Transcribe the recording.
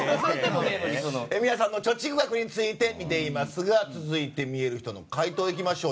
皆さんの貯蓄額について見ていますが続いて、みえるひとの回答いきましょう。